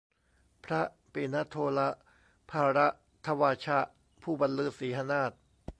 พระปิณโฑลภารทวาชะ ผู้บันลือสีหนาท